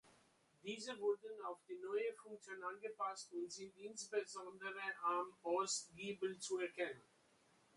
Diese wurden auf die neue Funktion angepasst und sind insbesondere am Ostgiebel zu erkennen.